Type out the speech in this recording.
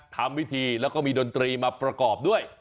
ทำวิธีแล้วก็มีดนตรีมาประกอบด้วย